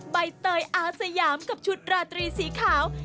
ใบเตยอาสยามกับชุดราตรีสีขาว